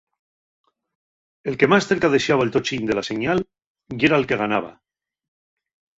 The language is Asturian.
El que más cerca dexaba'l tochín de la señal yera'l que ganaba.